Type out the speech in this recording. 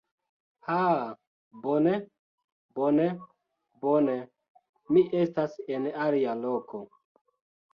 Ha! Bone, bone, bone. Mi estas en alia loko.